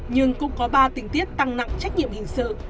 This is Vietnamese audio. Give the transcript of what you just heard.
nhưng cũng có ba tình tiết tăng nặng trách nhiệm hình sự